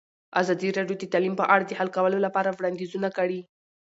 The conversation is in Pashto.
ازادي راډیو د تعلیم په اړه د حل کولو لپاره وړاندیزونه کړي.